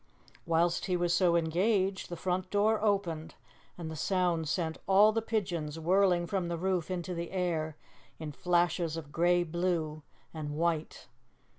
Whilst he was so engaged the front door opened and the sound sent all the pigeons whirling from the roof into the air in flashes of grey blue and white.